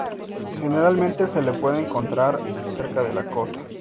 Generalmente se le puede encontrar cerca de la costa.